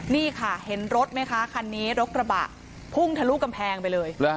นี่ค่ะเห็นรถไหมคะคันนี้รถกระบะพุ่งทะลุกำแพงไปเลย